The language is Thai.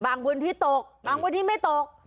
พื้นที่ตกบางพื้นที่ไม่ตก